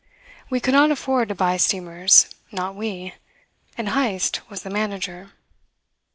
We could not afford to buy steamers. Not we. And Heyst was the manager.